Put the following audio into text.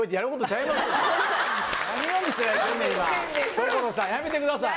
所さんやめてください。